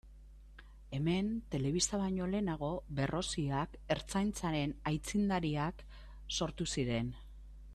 Hemen telebista baino lehenago Berroziak Ertzaintzaren aitzindariak sortu ziren.